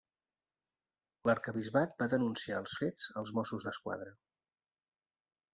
L'Arquebisbat va denunciar els fets als Mossos d'Esquadra.